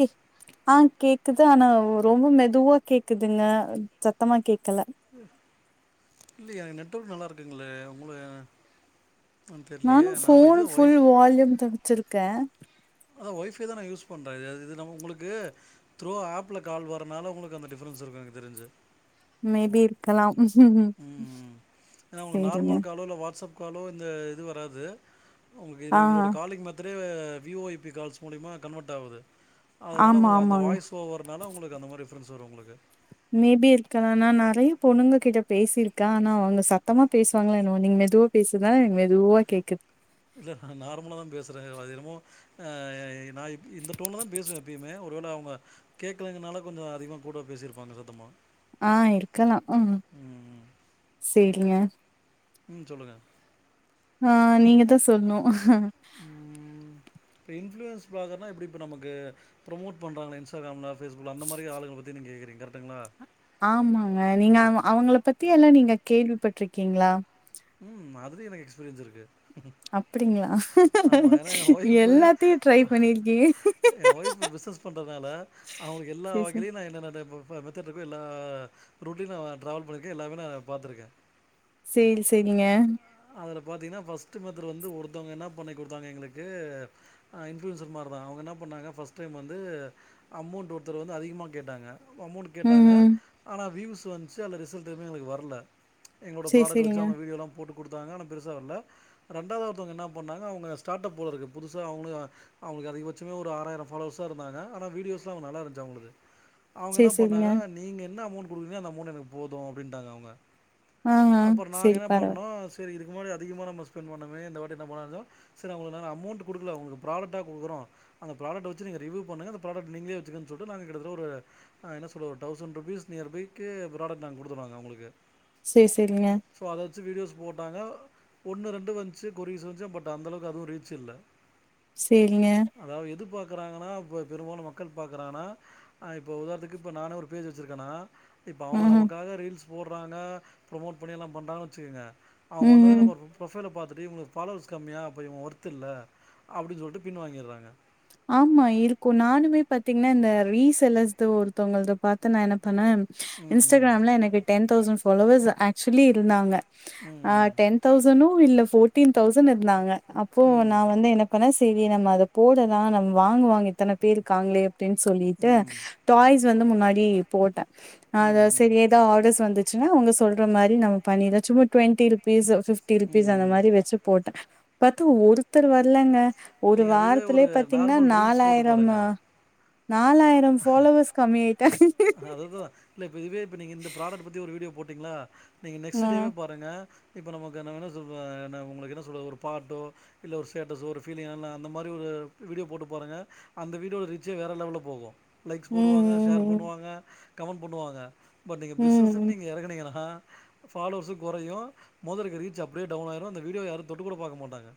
K அ கேக் க்குது ஆனா ரொம்ப மெதுவா கேக்குதுங்க சத்தமா கேக்கல இல்லய நெட்வொர்க்கு நல்லா இருக்குங்ளே உங்கள நானு போன் ஃபுல் வால்யூம் தா வெச்சிருக்கே அதா ஒய்ஃபை தா நா யூஸ் பண்ணுறே இது நம் உங்ளுக்கு த்ரோ ஆப்ல கால் வரதுனால உங்ளுக்கு அந்த டிஃப்ரென்ஸ் இருக்கு எனக்கு தெரிஞ்சு மேபி இருக்கலாம் ம் ஏனா உங்களுக்கு சேரிங்க நார்மல் காலோ இல்ல வாட்ஸ்அப் காலோ இந்த இது வராது உங்களுக்கு இது ஆ உங்களோட காலிங் மெத்தேடே V O I P calls மூலிமா கன்வெர்ட் ஆகுது அதனால ஆமா உங்களுக்கு அந்த ஆமாங்க வாய்ஸ் ஓவர்னால உங்களுக்கு அந்த மாரி டிஃப்ரன்ஸ் வரு உங்களுக்கு மேபி இருக்கலா நா நெறைய பொண்ணுங்க கிட்ட பேசியிருக்கே ஆனா அவங்க சத்தமா பேசுவாங்களோ என்னவோ நீங்க மெதுவா பேசுதா மெதுவாக கேக்குது இல்ல நான் நார்மலா தான் பேசுறேன். அது என்னமோ அ நா இந்த டோன்ல தா பேசுவே எப்பயுமே ஒருவேள அவங்க கேட்கலங்கறனால கொஞ்சோ அதிகமாக போடுவா பேசியிருப்பாங்க சத்தமா அ இருக்கலா ம் சேரிங்க ம் சொல்லுங்க அ நீங்க தா சொல்னு இன்ஃப்லுயன்ஸ் விலாகற்னா எப்டி இப்ப நமக்கு ப்ரொமோட் பண்றாங்களே இன்ஸ்டாகிராம்ல பேஸ்புக்ல அந்த மாரி ஆளுங்களுக் இத நீங்க ஏ கேக்குறீங்க கரெக்ட்டுங்ளா ஆமாங்க நீங்க அவ் அவங்கள பத்தி எல்லா நீங்க கேள்விப்பட்டிருக்கீங்களா அது எனக்கு எக்ஸ்பீரியன்ஸ் இருக்கு அப்டிங்களா ஆமா. ஏன்னா என் ஒய்ஃப் எல்லாத்தையு ட்ரை பண்ணிருக்கீங்க என் ஒய்ஃப் பிசினஸ் பண்றதுனால அவங்களுக்கு எல்லா சரி. வகையிலையு நா என்ன நானு மெத்தட் இருக்கு எல்லா ரூட்லையு நா டிராவல் பண்ணிருக்கே எல்லாமே நா பாத்துருக்கே சேரி சேரிங்க அதுல பாத்தீங்கன்னா ஃபஸ்ட்டு மத்து வந்து ஒருத்தவங்க என்ன பண்ணி குடுத்தாங்க எங்களுக்கு இன்ஃப்ளூயன்சர் மாரி தா அவங்க என்ன பண்ணாங்க ஃபஸ்ட் டைம் வந்து அமௌண்ட் ஒருத்தர் வந்து அதிகமா கேட்டாங்க அமௌண்ட் கேட்டாங்க ம்ஹ்ம். ஆனா வியூஸ் வந்துச்சு அதுல ரிசல்ட் எதுமே எனக்கு வர்ல எங்களோட சரி, ப்ராடக்ட் வெச்சு சரிங்க. அவுங்க வீடியோல்லா போட்டு குடுத்தாங்க பெருசா வர்ல ரெண்டாவதா ஒருத்தவங்க என்ன பண்ணாங்க அவங்க ஸ்டாட் அப் போலருக்குது புதுசா அவங்களு அவங்களுக்கு அதிகபட்ச மேக்ஸிமமே ஒரு ஆறாயிரோ ஃபாலோவர்ஸ் தா இருந்தாங்க ஆனா வீடியோஸ்லா நல்லா இருந்துச்சு அவுங்ளுது அவங்க சரி, என்ன சரிங்க. பண்ணாங்க நீங்க என்ன அமௌண்ட் குடுக்குறீங்களோ அந்த அமௌண்ட் எனக்கு போது அப்டின்ட்டாங்க அவங்க அ அ அப்புறம் நாங்கள் செரி என்ன பரவா பண்ணோம் சரி இதுக்கு முன்னாடி அதிகமா நம்ம ஸ்பென்ட் பண்னோமே இந்த வாட்டி என்ன பண்ணலானு இருந்தோ செரி அங்களுக்கு நாங்க அமௌன்ட் குடுக்கல உங்களுக்கு ப்ராடெக்ட்டா குடுக்குறோ அந்த ப்ராடெக்ட வெச்சு நீங்க ரிவ்யூ பண்ணுங்க அந்த ப்ராடெக்ட நீங்களே வெச்சுக்கன்னு சொல்ட்டு நாங்க கிட்டத்தட்ட ஒரு அ என்ன சொல்றது ஒரு தவ்ஸண்ட் ருப் ப்பீஸ் நியர் பைக்கு ப்ராடெக்ட் நாங்க குடுத்துருவோங்க அவுங்களுக்கு சேரி சேரிங்க வீடியோஸ் போட்டாங்க ஒன்னு ரெண்டு வந்துச்சு கொரீஸ் வந்துச்சு பட் அந்தளவுக்கு அது ரீச் இல்ல சேரிங்க க்குறாங்கன்னா இப்ப பெரும்பாலு மக்கள் பாக்குறங்கனா அ இப்ப உதாரணத்துக்கு இப்ப நானே ஒரு பேஜ் வெச்சிருக்கன்னா இப்ப அவுங்க ம்ஹ்ம். நமக்காக ரீல்ஸ் போட்றாங்க ப்ரொமோட் பண்ணியெல்லா பண்றாங்கன்னு வெச்சுக்குங்க அவுங்க வந்தவொன்னே ம்ஹ்ம். நம்ம ஒரு ப்ரொஃபைல பாத் த்துட்டு இவுங்களு ஃபாலோவெர்ஸ் கம்மியா அப்ப இவுங்க வொர்த்து இல்ல அப்டின்னு சொல்ட்டு பின்வாங்கிட்றாங்க ஆமா இருக்கோ நானுமே பாத்தீங்கன்னா இந்த ரீசெல்லர்ஸ்து ஒருத்தவுங்கள்து பாத்து நா என்ன பண்ணே ம் இன்ஸ்டாகிராம்ல எனக்கு டென் தௌசண்ட் ஃபாலோவர்ஸ் ஆச்சுவலி இருந்தாங்க ஆ ம் டென் தௌசனோ இல்ல ஃபோட்டீன் தௌசண்ட் இர்ந்தாங்க அப்போ ம் நா ம் வந்து என்ன பண்ண ஸ் சேரி நம்ம அத போடலா நம்ம வாங்குவாங்க இத்தன பேருக்காங்களே அப்டின்னு ம் சொல்லிட்டு ம் டாய்ஸ் இது வந்து முன்னாடி போட்டே ம் அ ம் சரி ஏதோ ஆர்டர்ஸ் வந்துச்சுன்னா உங்க சொல்ற மாரி நம்ம பண்ணிலா சும்மா டுவெண்டி ருபீஸ் பிஃப்டி ம் ருபீஸ் அந்த ம் மாரி வெச்சு போட்டே பாத்து ஒருத்தர் வர்லங்க ஒரு நீங்க அதுவே வாரத் ஒரு த்துலயே பாத்தீங்ன்னா நார்மல் ரீல்ஸ் போட்டு நாலாயிரமா பாருங்க நாலாயிரோ ஃபாலோவர்ஸ் கம்மி ஆயிட்டாங் அதுதான் இல்ல இப்ப இதுவே இப்ப நீங்க இந்த ப்ராடக்ட் பத்தி ஒரு வீடியோ போட்டீங்களா நீங்க ஆ நெக்ஸ்ட்டு டேவே பாருங்க இப்ப நமக்கு என்ன வேணா சொல்வே உங்குளுக்கு என்ன சொல்ல ஒரு பாட்டோ இல்ல ஒரு ஸ்டேட்டஸோ ஒரு ஃபீலிங்கான அந்த மாரி ஒரு வீடியோ போட்டு பாருங்க அந்த வீடியோட ரீச்சே வேற லெவல்ல போகோ லைக்ஸ் ம் போடுவாங்க ம் ஷேர் ம் பண்ணுவாங்க கமெண்ட் பண்ணுவாங்க பட் நீங்க ம் பிஸ்னஸ்ன்னு நீங்க எறங்குனீங்கன்னா ஃபாலோவர்சு கொறையு மொதலக்கு ரீச் அப்டியே டவுன் ஆயிரோ அந்த வீடியோவ யாரு தொட்டுக் கூட பாக்க மாட்டாங்க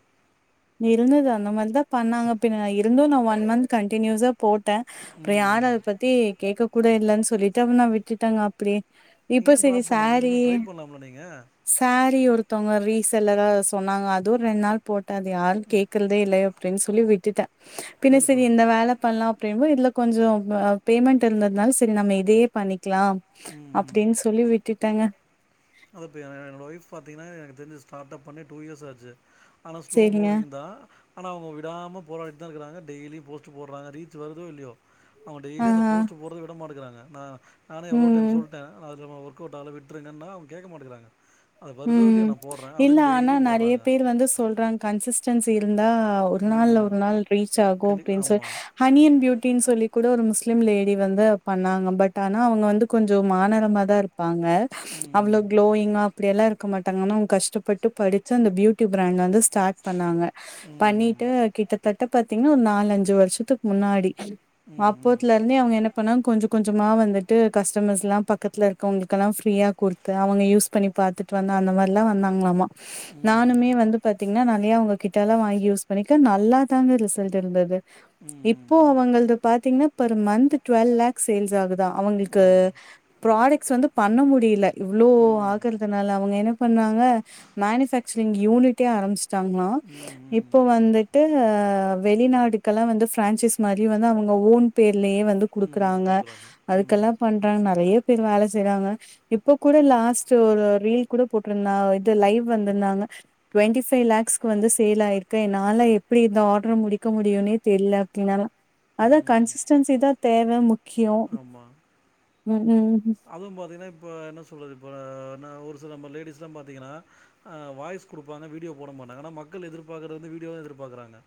இங்க இருந்துது அந்த மாதிரிதா பண்ணாங்க பின்ன நா இருந்தும் நா ஒன் மந்த் கண்டினியூஸா போட் ட்டே அப்புறோ ம் யாரோ அத ம் பத்தி கேக்கக் கூட இல்லன் சொல்லிட்டு நா விட்டுட்டங்க அப்டியே நீங்க இப்ப ஏன் சரி ட்ராப் பண்ணீங்க சாரீ நீங்க ட்ரை பண்ணலாம்ல நீங்க சாரீ ஒருத்தோவுங்க ரீஸ் செல்லரா சொன்னாங்க அதுவு ரெண்டு நாள் போட்டே அது யாரோ கேக்கறதே இல்ல அப்டின்னு சொல்லி விட்டுட்டே பின்ன செரி இந்த ம் வேல பண்லா அப்டீயேவு இதுல கொஞ்சோ அ பேமெண்ட் இருந்ததுனால செரி நம்ம இதயே பண்ணிக் க்லாம் அப்டீன்னு சொல்லி விட்டுட்டேங்க அப்டியா என்னோட ஒய்ஃப் பாத்தீங்ன்னா எனக்கு தெரிஞ்சி ஸ்டார்ட் அப் பண்ணி டூ இயர்ஸ் ஆச்சு ஆனா ஸ்லோ சரிங்க மூவிங் தா ஆனா அவுங்க விடாம போராடிட்தா இருக்குறாங்க டெய்லியு போஸ்ட்டு போட்றாங்க ரீச் வர்தோ இல்லியோ அவுங்க ஆ டெய்லியு அந்த போஸ்ட்டு போட்றத விடமாட்குறாங்க நா நானோ எவ்ளோ டைம் ம் சொல்ட்டே அதுல நம வொர்க் கோட்டால விட்டுருங்கன்னா அவுங்க கேக்க மாட்டேங்குறாங்க ம் இல்ல ஆனா நறைய போடுறாங்க பேர் வந்து சொல்றாங் கன்சிஸ்டன்சி இர்ந் அதா ஒரு நாள் இல்ல ம் ஒரு நாள் ரீச் ஆகோ கண்டி அப்டீன்னு சொலி ஆமா ஹனி அண்ட் பியூட்டின்னு சொல்லி கூ கூட ஒரு முஸ்லீம் லேடி வந்து பண்ணாங்க பட் ஆனா அவுங்க வந்து கொஞ்சோ மாநெரமா தா இருப் ப்பாங்க அவ்ளோ ம் க்ளோயிங்கா இப்படியெல்லா இருக்க மாட்டாங்க ஆனா அவுங்க கஷ்டப்பட்டு படிச்சு அந்த பியூட்டி பிராண்ட் வந்து ஸ்டார்ட் பண்ணாங்க ம் பண்ணிட்டு கிட்டத்தட்ட பாத்தீங்ன்னா ஒரு நாலஞ்சு வர்ஷத்துக்கு முன்னாடி ம் ம் அப்போத்துல இர்ந்தே அவுங்க என்னப் அப்பன்னா கொஞ்சோ கொஞ்சமா வந்துட்டு கஸ்டமர்ஸ் எலா பக்கத்துல இருக்கவுங்கெல்லா ஃப்ரீயா குடுத்து அவுங்க யூஸ் பண்ணி பாத்துட்டு வந்தே அந்த மாரில்லா வந்தாங்களாமா ம் ம் ம் நானுமே வந்து பாத்தீங்ன்னா நானு மே அவுங்க கிட்டாலா வாங்கி யூஸ் பண்ணிக்க நல்லா தாங்க ரிசல்ட் இர்ந்துது ம் ம் ம் இப்போ ம் அவுங்களது பாத்தீங்கன்னா per month twelve lakhs sales ஆகுதா அவுங்குளுக்கு ஆமா ப்ராடக்ட்ஸ் வந்து பண்ண முடியுல இவ்ளோ ம் ஆக் னால அவுங்க என்ன பண்ணாங்க மேனுபேக்சரிங் யூனிட்டே ஆரம்பிச் சாங்களா ம் ம் இப்ப வந்துட்டு அ வெளிநாடுகலா வந்து பிரான்சிஸ் மாரி வந்து அவுங்க ஓன் பே லயே வந்து ம் குடுக்குறாங்க கொடுக்குறாங்க ம் அதுக்கெல்லா பண்றாங்க நறைய பேர் வேல செய்றாங்க இப்ப கூட லாஸ் ஷோ ஒரு ரீல் கூட போட்ருந்தாங்க இது லைவ் வந்துர்ந்தாங்க டுவெண்டி ஃபைவ் லேக்ஸ்க்கு வந்து சேல் ஆயிரு க்கே நாலா எப்டி இந்த ஆர்டரு முடிக்க முடியுனே தெர்ல அத்தின்நாளா அதா ம் கன்சிஸ்டன்சி தா தேவ முக்கியோ ம் க்கு அதுவு பாத்தீங்ன்னா இப்ப என்ன சொல்றது இப்ப அ நா ஒரு சில லேடிஸ்லா பாத்தீங்கனா அ வாய்ஸ் குடு குப்பாங்க வீடியோ போட மாட்டாங்க ஆனா மக்கள் எதிர்பாக்கறது வீடியோதா எதிர்பாக்குறாங்க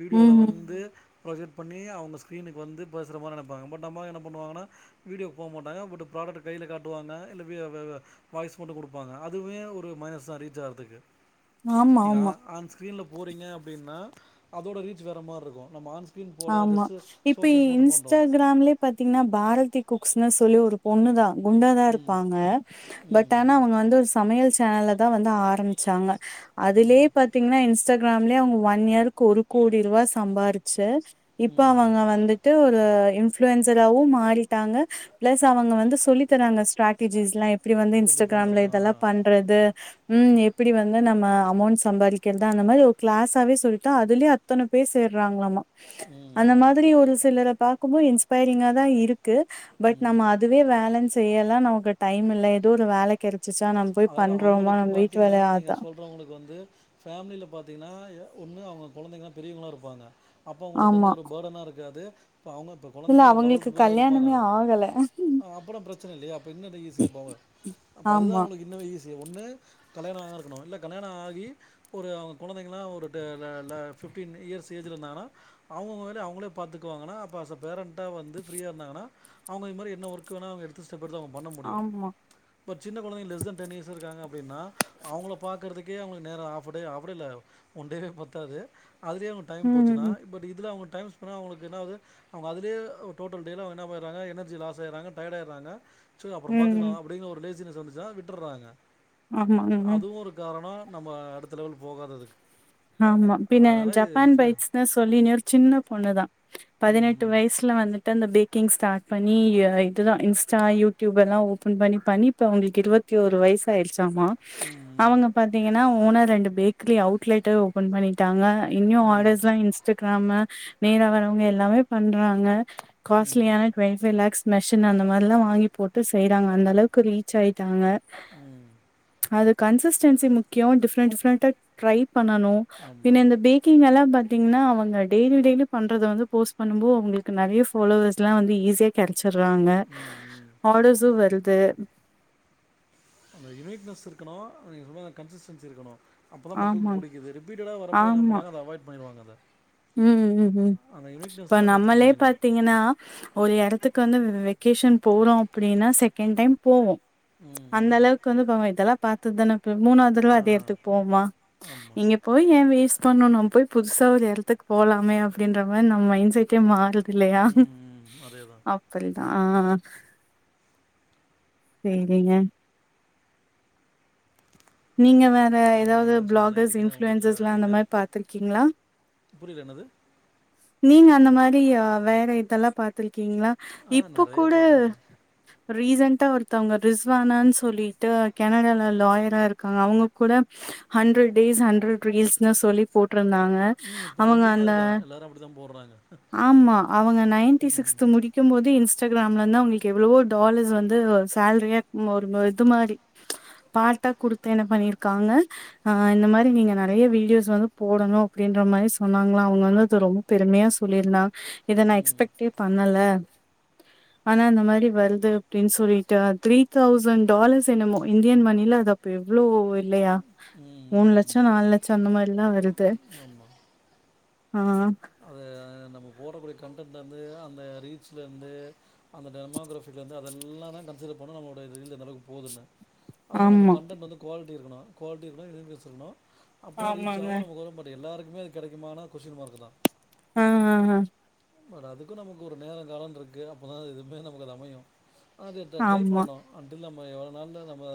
வீடியோல ம். வந்து ஃப்ரொஜக்ட் பண்ணி அவுங்க ஸ்கிரீனுக்கு வந்து பேசர மாரி நெனைப்பாங்க பட் நம்மாள் என்னா பண்ணுவாங்கன்னா வீடியோ போ மாட்டாங்க பட் ப்ராடக்ட்ட் கையில காட்டுவாங்க இல்ல வி வவ வாய்ஸ் மட்டு குடுப்பாங்க அதுவே ஒரு மைனஸ் தான் ரீச் ஆகறதுக்கு ஆமா ஆமா யார் ஆன் ஸ்கிரீன்ல போறீங்க அப்படின்னா அதோட ரீச் வேற மாரி இருக்கு நம்ம ஆன்ஸ் ஆமா இப்ப இன்ஸ்டாகிராம்ளே பாத்தீங்கன்னா பாரதிக் குக்ஸ்னு சொல்லி ஒரு பொண்ணுதா குண்டாதா ம். இருப்பாங்க பட் ம், ஆனா ம், அவுங்க வந்து ஒரு சமையல் சேனலதா வந்து ஆரம்பிச்சாங்க ம். அதுலே பாத்தீங்கன்னா இன்ஸ்டாக் கிராம்லே அவுங்க ஒன் இயருக்கு ஒரு கோடி ரூவா சம்பாரிச்சு இப்ப ம். அவங்க வந்துட்டு இன்ஃப்ளுயன்ஸ்சராவு மாறிட்டாங்க பிளஸ் அவங்க வந்து சொல்லித்தராங்க ஸ்ட்ராடஜிஸ்ல்லா எப் இப்டி வந்து எப்படி இன்ஸ்டாகிராம்ல பண்றது? ஆ. இதெல்லா பண்றது உம் எப்படி வந்து நம்ம அமௌண்ட் சம்பாதிக்கிறது அந்த மாரி ஒரு கிளாஸாவே சொல்லிட்டு அதுலயே அத்தன பேர் சேர்றாங்களாமா அந்த ம். மாதிரி ஒரு சிலரை பாக்கும்போது இன்ஸ்பையரிங்காதா இருக் ட்டு பட் நம்ம ம். அதுவே வேலன்னு செய்யலா நமக்கு டைம் இல்ல எதோ ஒரு வேலைக்கு இருக் அதாவது அவுங்களுக்கு பாத்தீங்ன்னா நீங்க அதா சொல்றவங்களுக்கு வந்து ஃபேமிலில பாத்தீங்கன்னா ஒன்னு அவுங்க குழந்தைங்கலா பெரியவங்களா இருப்பாங்க அப்போ அவுங்களுக்கு ஆமா. வந்து ஒரு பர்டனா இருக்காது ப்ப அவுங்க இப்ப இல்ல குழந்தைங்க ஒரு அவங்களுக்கு லெவலுக்கு மேல இருப்பாங்க கல்யாணமே ஆகல. ஆ அப்புறோ பிரச்சனை இல்லையே ப்ப இன்னு அது ஈஸியா போவ அப்ப அதுதா ஆமா அவுங்களுக் இன்னமு ஈசி ஒன்னு கல்யாண ஆகா இருக்கணு இல்ல கல்யாண ஆகி ஒரு அவுங்க குழந்தைங்கலா ஒரு டெ ர ல ஃபிப்டீன் இயர்ஸ் ஏஜ்ல இருந்தாங்கன்னா அவுங்கவுங்க வேலயே அவுங்ளே பாத்தக்குவாங்கன்னா அஸ் எ பேரண்டா வந்து ப்ரீயா இருந்தாங்கன்னா அவுங்க இன்மாரி என்ன ஒர்க்குவேனா அவுங்க எடுத்து ஸ்டெப்பெடுத்து அவுங் பண்ண முடியு ஆமா பட் சின்ன கொழந்தைங்க லெஸ் தென் டென் இயர்ஸ் இருக்காங்க அப்படின்னா அவுங்கள பாக்கறதுக்கே அவுங்களுக்கு நேரோ ஹாப் டே ஹாப்டே இல்ல ஒன் டேவே பத்தாது அதுலயே அவுங்க டைம் ம் போச்சுன்னா ம். பட் இதுல அவுங்க டைம் ஸ்பெண்ணா அவுங்களுக்கு என்னாவது அவுங்க அதிலே டோட்டல் டேல அவங்கென்ன ஆயிறாங்க எனர்ஜிலாஸ் ஆயிறாங்க டயர்ட் ஆயிறாங்க ச்சு அப்புறம் ம். பார்த்துக்கலா அப்படிங்கிற ஒரு லேசினஸ் வந்திருச்சுனா விட்டுறாங்க ஆமாங்க. அதுவு ஒரு காரணோ நம்ம அடுத்த லெவல் போகாததுக்கு ஆமா பின்ன அதனால் இது ஜப்பான் ஃபே பைட்ஸ்னு சொல்லினு ஒரு சின்ன பொண்ணுதா பதினெட்டு ம் வயசுல வந்து தந்த பேக்கிங் ஸ்டார்ட் பண்ணி இதுல்லா இன்ஸ்டா யூடியூப் எல்லா ஓப்பன் பண்ணி பண்ணி இப்போ அவுங்களுக்கு இருவத் த்தி ஒரு வயசு ஆய்சி ச்சாமா ம் ம் அவுங்க பாத்தீங்கன்னா ஓனர் ரெண்டு பேக்கரி அவுட்லெட்டே ஓப்பன் பண்ணிட்டாங்க இன்னியு ம் ஆர்டர்ஸ்ல்லா இன்ஸ்டாகிராமு நேர வரவங்க எல்லாமே பண்றாங்க ம் ம் காஸ்ட்லியான டொன்டிஃபய் லாக்ஸ் மெஷின் அந்த மாரிலா வாங்கி போட்டு செய்கிறாங்க அந்தளவுக்கு ரீச் ஆயிட்டாங்க ம் அது கன்சிஸ்டன்சி முக்கியோ டிஃபரெண்ட் டிஃபரெண்ட்டா ட்ரை பண்ணனு பின்ன ஆமாம் இந்த பேக்கிங் எல்லா பா த்தீங்கன்னா அவங்க டெய்லி டெய்லி பண்றத வந்து போஸ்ட் பண்ணும் போ அவுங்களுக்கு நறைய பாலோவர்ஸ்லாம் வந்து ஈஸியா கிடை ச்சிறாங்க ம் ம் ஆடர்சு வருது அந்த யுனய்ட்னஸ் இருக்கணு அதுக்கு மேல கன்சிஸ்டன்சி இருக்கணு அப்போதா ஆமா, மக்களுக்கு பிடிக்கு ரிப்பிட்டடா வரப்ப என்ன ஆமா. பன்றாங்க அவாய்ட் பண்ணிடுவாங்க அத ம் ம் ம் இப்ப தான் அந்த இடத்துல நம்மளே மெயின் பாத்தீங்கின்னா ஒரு இடத்துக் கு வந்து வெக்கேஷன் போறோ அப்டின்னா செகேண்ட் டைம் போவோ ம் அந்த ம் அளவுக்கு வந்து ப இதெல்லா பாத்து தான இப்ப மூணாவது தரவா ஆ அதே எடுத்துக்கு போவமா ஆமாம் இங்க போய் ஏ வேஸ்ட் பண்ணுனு நம்ம போய் புதுசா ஒரு எடத்து துக்கு போலாமே அப்டின்ற மாரி நம் மைண்ட் செட்டே மாறு தில்லையா ம் ம் அதே தான் அப்டி தா ஆ சேரிங்க நீங்க வேற வேறு என்ன எதாவது நீங்கள் தான் சொல்லணும் பிளாகர்ஸ் நைட்டுக்கு என்ன உங்கள் வீட்டில் இன்ஃபளுயன்சஸ்லா இந்த டின்னர் மாரி பாத்துருக்கீங்களா புரியல என்னது நீங்க அந்த மாரி வேற இதெல்லா பாத்துருக்கீங்களா ஆ இப்போ நிறைய கூட பார்த்துருக்கோம் ரீசண்டா ஒருத்தவுங்க ரிஸ்வானானு சொல்லிட்டு கேனடால லாயரா இருக் காங்க அவுங்க கூட ஹண்ட்ரட் டேஸ் ஹண்ட்ரட் ரீல்ஸ்னு சொல்லி போட் டுருந்தாங்க ம் இப்போ அவுங்க ட்ரெண்டிங்கே அந்த அதுதான் எல்லாரும் அப்படி தான் போடுறாங்க ஆமா அவுங்க நைன்டி ம் சிக்ஸ்த் முடிக்கு போதே இல்ஸ் இன்ஸ்டாகிராம்ல இருந்து அவுங்களுக்கு எவ்வளவோ டாலர்ஸ் வந்து ஒ சேலரியா ம் ஒரு இது மாரி பாட்ட குடுத் தென்ன பண்ணிருக்காங்க ஆஹ் இந்த மாரி நீங்க நெறைய வீடியோஸ் வந்து போடணு அப்டின்ற மாரி சொன்னாங்களா அவுங்க வந்து அது ரொம்ப பெருமையா சொல்லியிருந்த இத நா ம் எக்ஸ்பெக்டே பண்ணல ஆனா இந்த மாரி வருது அப்டினு சொல்லிட்டு த்ரீ தௌசண்ட் டாலர்ஸ் என்னமோ இந்தியன் மணில அது இப்ப எவ்ளோ இல்லையா மூணு லட்சோ ம் நாலு லட் சொன்னமாரிதா வருது ஆமாம் ஆ ஆ ஹாங் உங்களுடைய கண்டென்ட்டருந்து அந்த ரீச்ல இருந்து அந்த டெர்மாகிராபில இருந்து அதெல்லா தா கன்சிடர் பண்ணு நம்முடையது ரீலு எந்தளவு போதுனு அது போல நம்ம ஆமா. கன்டென்ட் வந்து குவாலிட்டி இருக்கனு குவாலிட்டி இருந்தா யூனிபியஸ் இருக்கனு அப்போ ரீச் ஆமாங்க. ஆவு நமக்கு வரு பட் எல்லாருக்குமே அது கெடைக்குமானா கொஷ்டின் மார்க் தா ஆ ஹா ஹா பட் அதுக்கு நமக்கு ஒரு நேர காலோன்று இருக்கு அப்பதா எதுவுமே நமக்கு அது அமையு அது எத்த ட்ரை ஆமா. பண்ணணு அண்டில் இல்லாம நம்ம எவ்ளோ நாள்தா நம்ம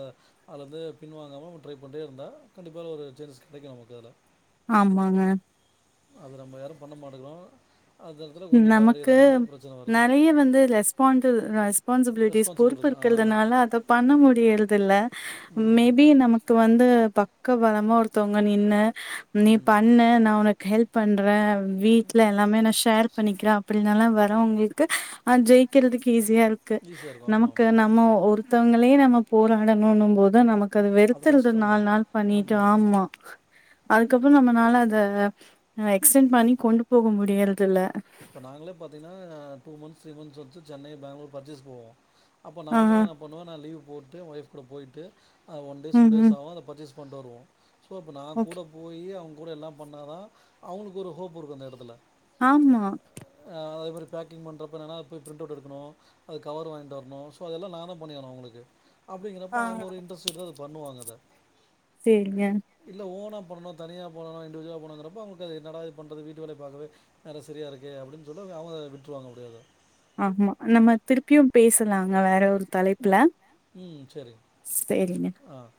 அத வந்து பின்வாங்காமல் ட்ரை பண்ணிட்டே இருந்தா கண்டிப்பாக ஒரு சேஞ்சஸ் கெடைக்கு நமக்கு அதுல ஆமாங்க அது நம்ம யாரு பண்ண மாட்டக்கிறோ நமக்கு நெறைய வந்து ரெஸ்பாண்டில் ரெஸ் பான்சிபிலீடீஸ் ரெஸ்பான்சிபிள் பொறுப்பு இருக்கு ஆ இருக்கிறதுனால அத பண்ண முடியறது இல்ல ம் மேபி நமக்கு வந் து பக்க பலமா ஒருத்தவுங்க நின்னு நீ ம் பண்ணு நா உனக்கு ஹெல்ப் பண்றே வீட்ல எல்லாமே நா ஷேர் அப்டினால வரவுங்களுக்கு அ ஜெயிக்கிறதுக்கு ஈஸியா இருக்கு ஈஸியாக இருக்கும் ஆமாம் நமக்கு ஆமாம் நம்ம ஒரு த்தவுங்களே நம்ம போராடணுனு போது நமக் கது அது வெறுத்துருது நாலு கஷ்டம்தான் நாள் பண்ணிட்டு ஆமாம் ஆமாம் ஆமா அதுக்கப்பறோ நம்மளால அத எக்ஸ்டென்ட் பண்ணி கொண்டு போக முடியறதில்ல இப்ப நாங்களே பாத்தீங்கனா டூ மன்ஸ் த்ரீ மன்ஸ் வத்து சென்னை பெங்களூர் பர்ச்சேஸ் போவோ அப்போ ஆஹ. நானு என்ன பண்ணுவே நா லீவ் போட்டு ஒய்ஃப் கூட போய்ட்டு அ ஒன்டேஸ் டூ ம், டேஸ் ம். ஆவு அத பர்சேஸ் பண்ட்டு வருவோ சோ அப்ப நா ஓகே. கூட போய் அவுங் கூட எல்லா பண்ணாதா அவுங்களுக்கு ஒரு ஹோப் இருக்கு அந்த எடத்துல ஆமா பேக்கிங் பண்றப்ப என்னனா அத போய் பிரிண்ட் அவுட் எடுக்கணு அது கவர் வாங்கிட்டு வரணு சோ அதெல்லா நான்தா பண்ணியாகணு அவுங்களுக்கு அப்டிங்கிறப்ப ஆ அவுங்க ஒரு இன்ட்ரெஸ்ட் எடுத்து பண்ணுவாங்க அத சேரி இல்ல ஓனா பண்ணணு தனியா பண்ணணு இண்டிஜுவலா போனுங்கிறப்ப அவுங்களுக்கு அது என்னடா இது பண்றது வீட்டு வேலய பாக்கவே நேரோ சரியா இருக்கு அப்டின் சொல்லு அவுங்க விட்டுருவாங்க அப்டியே அத ஆமா நம்ம திருப்பியு பேசலாங்க வேற ஒரு தலைப்புல ம் சேரி சேரிங்க ஆஹ்